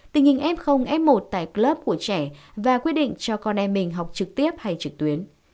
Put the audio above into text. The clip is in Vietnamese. tình hình f f một tại club của trẻ và quyết định cho con em mình học trực tiếp hay trực tuyến